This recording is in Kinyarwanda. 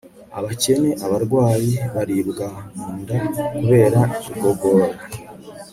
Abakene abarwayi baribwa mu nda kubera igogora